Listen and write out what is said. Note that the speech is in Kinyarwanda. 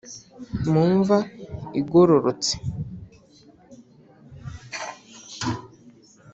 mu mva igororotse,